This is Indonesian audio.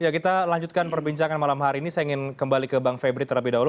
kita lanjutkan perbincangan malam hari ini saya ingin kembali ke bang febri terlebih dahulu